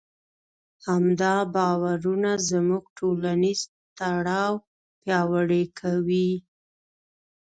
همدا باورونه زموږ ټولنیز تړاو پیاوړی کوي.